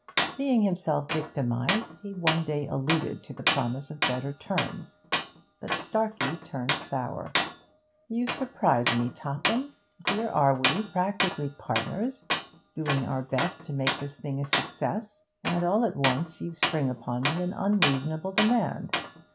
Seeing himself victimised, he one day alluded to the promise of better terms, but Starkey turned sour. 'You surprise me, Topham. Here are we, practically partners, doing our best to make this thing a success, and all at once you spring upon me an unreasonable demand.